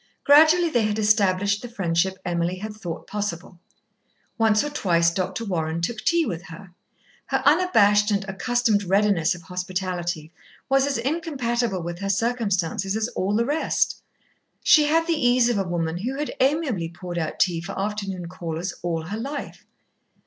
Gradually they had established the friendship Emily had thought possible. Once or twice Dr. Warren took tea with her. Her unabashed and accustomed readiness of hospitality was as incompatible with her circumstances as all the rest. She had the ease of a woman who had amiably poured out tea for afternoon callers all her life.